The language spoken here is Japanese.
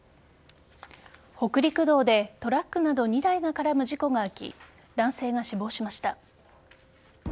北陸道でトラックなど２台が絡む事故が起き男性が死亡しました。